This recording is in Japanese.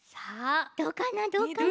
どうかなどうかな。